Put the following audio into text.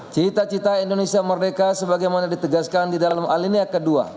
cita cita indonesia merdeka sebagaimana ditegaskan di dalam alinia ii